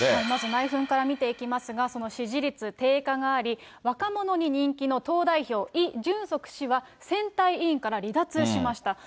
まず内紛から見ていきますが、その支持率低下があり、若者に人気の党代表、イ・ジュンソク氏は選対委員から離脱しました。